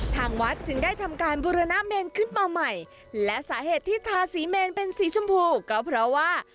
ทางวัดจึงได้ทำการบุรณเมนขึ้นมาใหม่และสาเหตุที่ทาสีเมนเป็นสีชมพูก็เพราะว่า